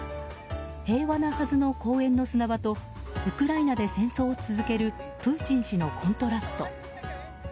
平和なはずの公園の砂場とウクライナで戦争を続けるプーチン氏のコントラスト。